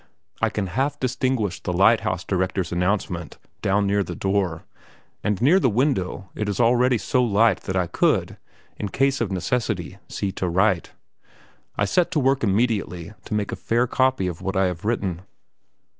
I can half distinguish the lighthouse director's announcement down near the door, and near the window it is already so light that I could, in case of necessity, see to write. I set to work immediately to make a fair copy of what I have written.